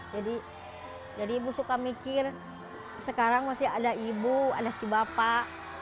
jadi ibu suka mikir sekarang masih ada ibu ada si bapak